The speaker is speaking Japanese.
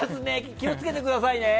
気を付けてくださいね。